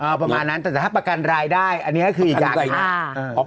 อ่าอ่าประมาณนั้นแต่ถ้าประกันไรได้อันเนี้ยคืออีกอย่างอ่ะอ่า